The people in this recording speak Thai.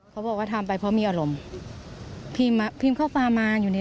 เพราะเรื่องนี้โดยทำไปกบนนี้